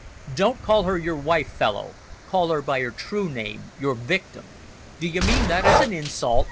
"Don't call her your wife, fellow! Call her by her true name your victim!" "Do you mean that as an insult?"